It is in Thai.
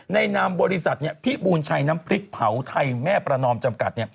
นามบริษัทพิบูรณชัยน้ำพริกเผาไทยแม่ประนอมจำกัด